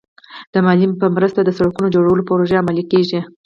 د مالیې په مرسته د سړکونو جوړولو پروژې عملي کېږي.